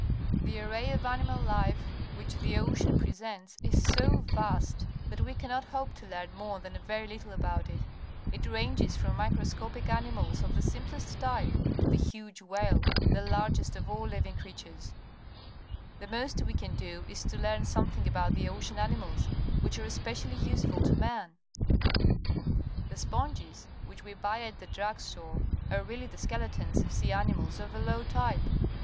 The array of animal life which the ocean presents is so vast that we cannot hope to learn more than a very little about it. It ranges from microscopic animals of the simplest type to the huge whale, the largest of all living creatures. The most we can do is to learn something about the ocean animals which are especially useful to man. Sponges being dried at Nassau, Bahamas Sponge fishing is an important industry in the Bahamas. The sponges which we buy at the drug store are really the skeletons of sea animals of a low type.